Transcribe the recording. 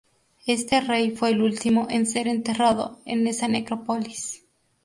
Este rey fue el último en ser enterrado en esa necrópolis.